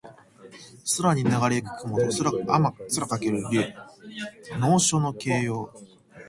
空にながれ行く雲と空翔ける竜。能書（すぐれた筆跡）の形容。